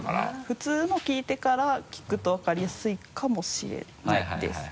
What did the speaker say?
普通の聞いてから聞くと分かりやすいかもしれないです。